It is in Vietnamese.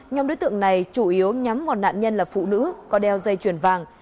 nhóm đối tượng này chủ yếu nhắm vào nạn nhân là phụ nữ có đeo dây chuyền vàng